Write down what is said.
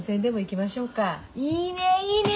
いいねいいね！